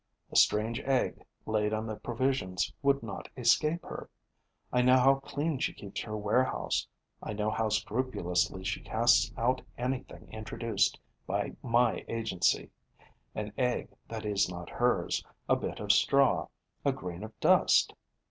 A strange egg, laid on the provisions, would not escape her. I know how clean she keeps her warehouse; I know how scrupulously she casts out anything introduced by my agency: an egg that is not hers, a bit of straw, a grain of dust.